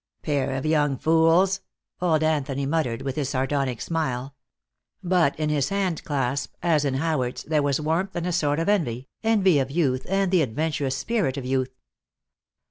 "Pair of young fools," old Anthony muttered, with his sardonic smile. But in his hand clasp, as in Howard's, there was warmth and a sort of envy, envy of youth and the adventurous spirit of youth.